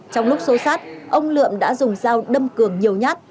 trong lúc xô sát ông lượm đã dùng dao đâm cường nhiều nhát